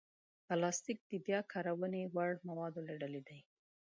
پلاستيک د بیا کارونې وړ موادو له ډلې دی.